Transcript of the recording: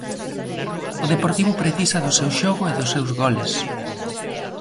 O Deportivo precisa do seu xogo e dos seus goles.